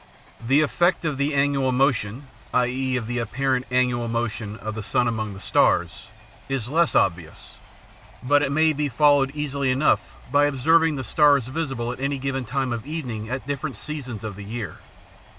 The effect of the annual motion, i.e. of the apparent annual motion, of the sun among the stars, is less obvious, but it may be followed easily enough by observing the stars visible at any given time of evening at different seasons of the year.